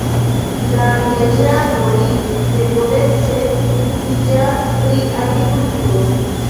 La vilaĝanoj dekomence okupiĝas pri agrikulturo.